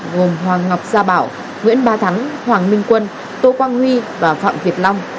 gồm hoàng ngọc gia bảo nguyễn ba thắng hoàng minh quân tô quang huy và phạm việt long